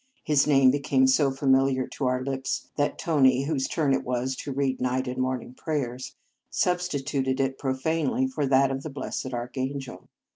His name became so familiar to our lips that Tony, whose turn it was to read night and morning prayers, substituted it profanely for that of the blessed Archangel.